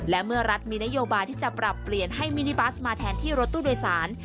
และเมื่อรัฐมีนโยบายที่จะปรับเปลี่ยนให้มินิบัสมาแทนที่รถตู้โดยสาร